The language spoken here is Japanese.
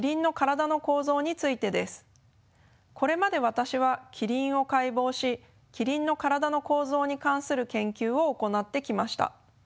これまで私はキリンを解剖しキリンの体の構造に関する研究を行ってきました。